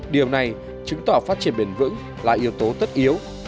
điều này chứng tỏ phát triển bền vững là yếu tố tất yếu